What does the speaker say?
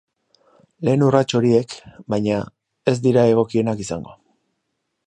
Lehen urrats horiek, baina, ez dira egokienak izango.